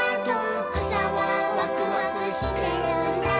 「くさはワクワクしてるんだ」